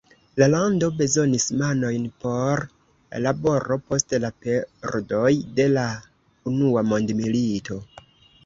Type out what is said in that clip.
La lando bezonis manojn por laboro post la perdoj de la Unua Mondmilito.